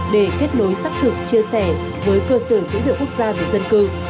để kết nối xác thực chia sẻ với cơ sở dữ liệu quốc gia về dân cư